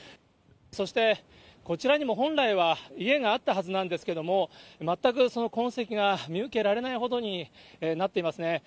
そしてこちらにも本来は家があったはずなんですけれども、全くその痕跡が見受けられないほどになっていますね。